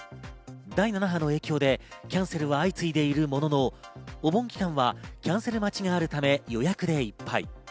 第７波の影響でキャンセルは相次いでいるものの、お盆期間はキャンセル待ちがあるため、予約でいっぱい。